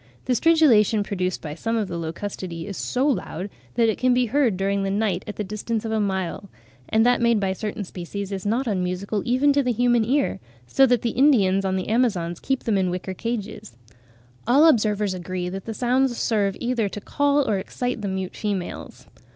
The stridulation produced by some of the Locustidae is so loud that it can be heard during the night at the distance of a mile (27. L. Guilding, 'Transactions of the Linnean Society,' vol. xv. p. 154.); and that made by certain species is not unmusical even to the human ear, so that the Indians on the Amazons keep them in wicker cages. All observers agree that the sounds serve either to call or excite the mute females.